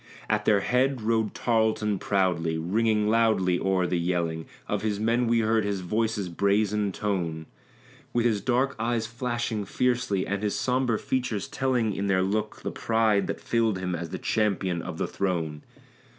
At their head rode Tarleton proudly; ringing loudly o'er the yelling Of his men we heard his voice's brazen tone; With his dark eyes flashing fiercely, and his sombre features telling In their look the pride that filled him as the champion of the throne.